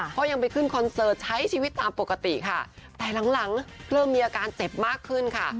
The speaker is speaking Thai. เพราะยังไปขึ้นคอนเสิร์ตใช้ชีวิตตามปกติค่ะแต่หลังหลังเริ่มมีอาการเจ็บมากขึ้นค่ะ